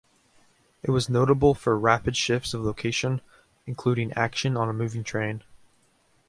It was notable for rapid shifts of location, including action on a moving train.